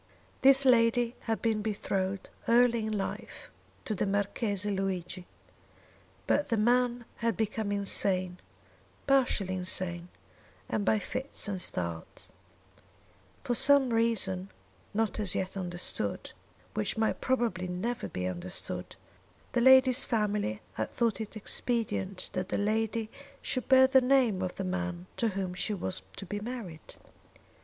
This lady had been betrothed early in life to the Marchese Luigi; but the man had become insane partially insane and by fits and starts. For some reason, not as yet understood, which might probably never be understood, the lady's family had thought it expedient that the lady should bear the name of the man to whom she was to be married.